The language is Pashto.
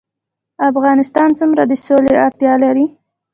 افغانستان څومره د سولې اړتیا لري؟